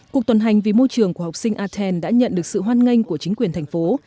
cuộc tuần hành vì môi trường của học sinh aten đã nhận được sự hoan nghênh của chính quyền thành phố